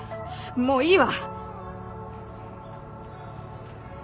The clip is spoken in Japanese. もういいわ！